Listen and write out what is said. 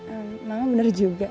emang bener juga